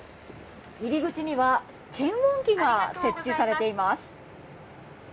入り口には検温器が設置されています。